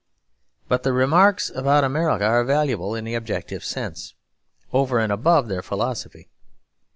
But the remarks about America are valuable in the objective sense, over and above their philosophy.